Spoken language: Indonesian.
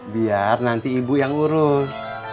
biar nanti ibu yang urung